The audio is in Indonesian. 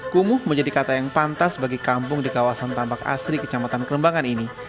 kumuh menjadi kata yang pantas bagi kampung di kawasan tambak asri kecamatan kerembangan ini